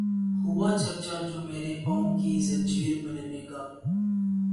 ہوا چرچا جو میرے پانو کی زنجیر بننے کا